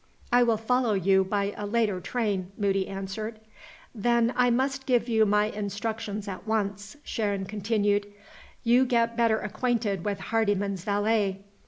"I will follow you by a later train," Moody answered. "Then I must give you my instructions at once," Sharon continued. "You get better acquainted with Hardyman's valet.